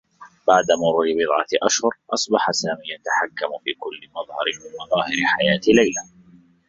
بعد مرور بضعة أشهر، أصبح سامي يتحكّم في كلّ مظهر من مظاهر حياة ليلى.